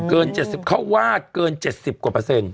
เกิน๗๐เค้าว่าเกิน๗๐กว่า